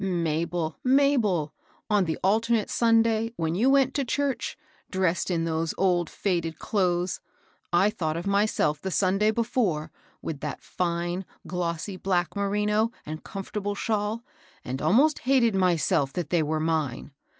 Ma bel 1 Mabel 1 on the alternate Sunday when you went to church, dressed in those old, faded clothes, Pve thought of myself the Sunday before, with, that fine glossy black merino, and comfortable shawl, and almost hated myself that they were mine.